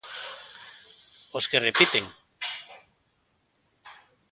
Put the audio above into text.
Os que repiten...